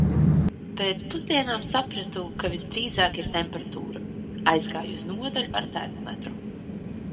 Pēc pusdienām sapratu, ka visdrīzāk ir temperatūra. Aizgāju uz nodaļu ar termometru.